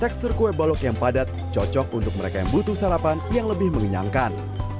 tekstur kue balok yang padat cocok untuk mereka yang butuh sarapan yang lebih mengenyangkan